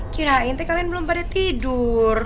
kirain teh kalian belum pada tidur